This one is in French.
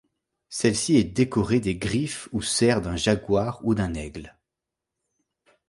Celle-ci est décorée des griffes ou serres d'un jaguar ou d'un aigle.